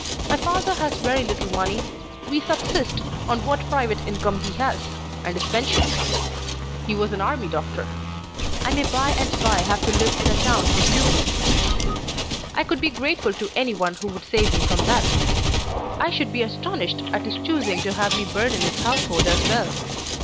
My father has very little money. We subsist on what private income he has, and his pension: he was an army doctor. I may by and by have to live in a town for pupils. I could be grateful to any one who would save me from that. I should be astonished at his choosing to have me burden his household as well.